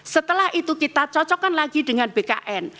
setelah itu kita cocokkan lagi dengan bkn